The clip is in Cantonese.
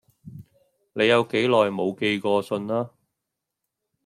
你有幾耐無寄過信啊